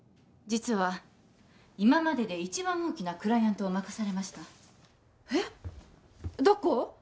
実は今までで一番大きなクライアントを任されましたえっどこ？